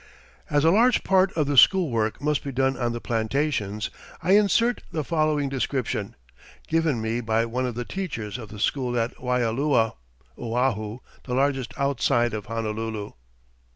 As a large part of the school work must be done on the plantations I insert the following description, given me by one of the teachers of the school at Waialua, Oahu, the largest outside of Honolulu.